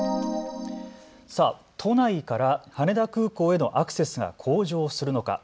都内から羽田空港へのアクセスが向上するのか。